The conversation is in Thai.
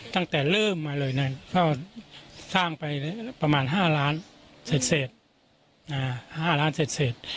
ตั้งแต่เริ่มมาเลยนะก็สร้างไปประมาณ๕ล้านเศษ๕ล้านเศษ